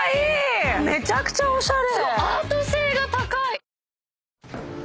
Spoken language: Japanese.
めちゃくちゃおしゃれ。